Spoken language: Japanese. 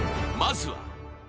まずは。